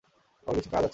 আমার কিছু কাজ আছে।